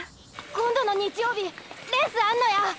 今度の日曜日レースあんのや！